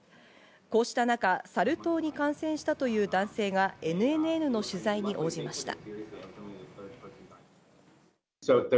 こうした中、サル痘に感染したという男性がＮＮＮの取材に応じました。